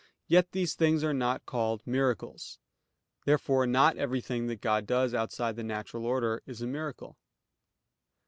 Yet these things are not called miracles. Therefore not everything that God does outside the natural order is a miracle.